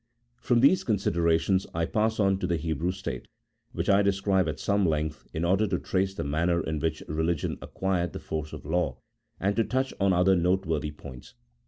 From these considerations I pass on to the Hebrew State, which I describe at some length, in order to trace the manner in which Religion acquired the force of law, and to touch on other noteworthy points.